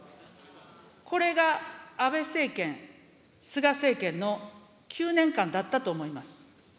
これが安倍政権・菅政権の９年間だったと思います。